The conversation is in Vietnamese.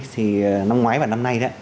thì năm ngoái và năm nay